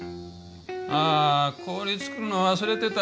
あ氷作るの忘れてた。